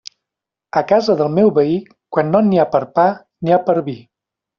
A casa del meu veí, quan no n'hi ha per a pa, n'hi ha per a vi.